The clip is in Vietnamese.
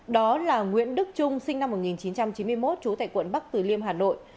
đó là nguyễn đức trung sinh năm một nghìn chín trăm chín mươi một trú tại quận bắc từ liêm hà nội